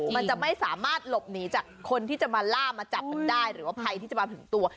มันจะไม่สามารถหลบหนีจากคนที่จะมาล่ามาจับมันได้หรือว่าภัยที่จะมาถึงตัว